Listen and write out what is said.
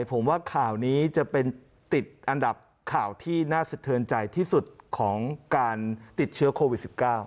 ผมว่าข่าวนี้จะเป็นติดอันดับข่าวที่น่าสะเทือนใจที่สุดของการติดเชื้อโควิด๑๙